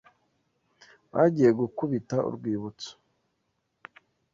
Bagiye gukubita urwibutso.